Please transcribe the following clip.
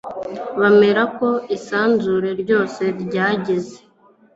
bemera ko isanzure ryose ryagize